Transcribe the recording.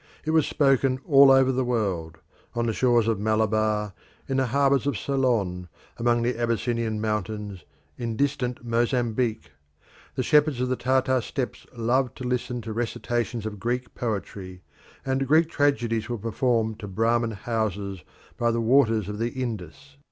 It was spoken all over the world on the shores of Malabar, in the harbours of Ceylon, among the Abyssinian mountains, in distant Mozambique. The shepherds of the Tartar steppes loved to listen to recitations of Greek poetry, and Greek tragedies were performed to Brahmin "houses" by the waters of the Indus.